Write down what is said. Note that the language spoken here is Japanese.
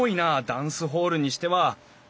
ダンスホールにしては。